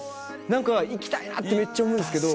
何か行きたいなってめっちゃ思うんすけど。